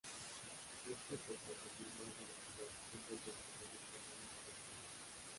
Esto proporciona más velocidad siempre que el programa funcione correctamente.